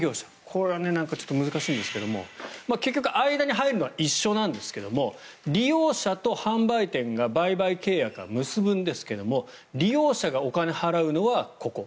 これはなんかちょっと難しいんですが結局、間に入るのは一緒なんですけど利用者と販売店が売買契約は結ぶんですが利用者がお金を払うのは、ここ。